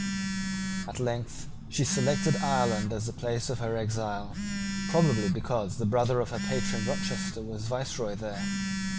At length she selected Ireland as the place of her exile, probably because the brother of her patron Rochester was viceroy there.